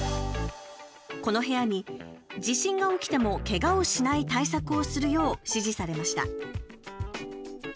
この部屋に地震が起きても、けがをしない対策をするよう指示されました。